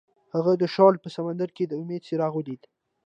هغه د شعله په سمندر کې د امید څراغ ولید.